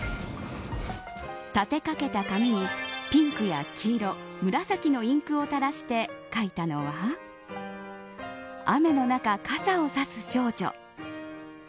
立てかけた紙にピンクや黄色紫のインクを垂らして描いたのは雨の中、傘を差す少女。